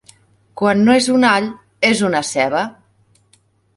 Quan no és un all, és una ceba!